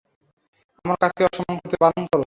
আমার কাজকে অসম্মান করতে বারণ করো।